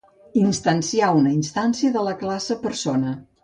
Instanciar una instància de la classe Persona.